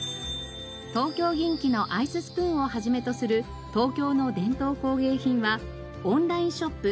東京銀器のアイススプーンを始めとする東京の伝統工芸品はオンラインショップ